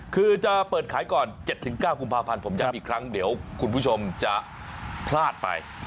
คือจะเปิดขายก่อน๗๙กุมภาพันธ์ผมย้ำอีกครั้งเดี๋ยวคุณผู้ชมจะพลาดไป